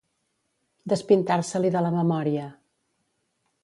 Despintar-se-l'hi de la memòria.